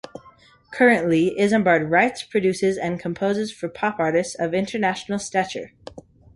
Currently, Izambard writes, produces and composes for pop artists of international stature.